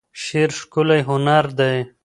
شعر ښکلی هنر دی.